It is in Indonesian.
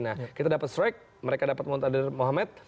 nah kita dapat schreik mereka dapat muntader mohamed